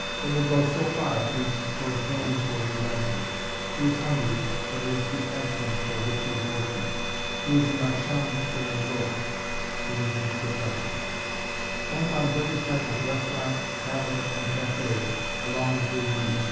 It will go so far at least toward paying for his absinthe. He is hungry, but it is the absinthe for which he is working. He is a "marchand de mégots"; it is his profession. [Illustration: TERRACE TAVERNE DU PANTHÉON] One finds every type of restaurant, tavern, and café along the "Boul' Miche."